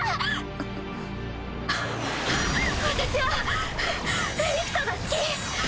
私はエリクトが好き。